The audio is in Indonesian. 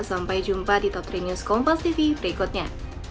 sampai jumpa di toprene news kompas tv berikutnya